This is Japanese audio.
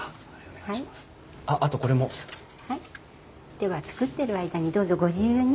では作ってる間にどうぞご自由に。